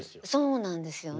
そうなんですよね。